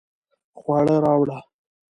خواړه راوړه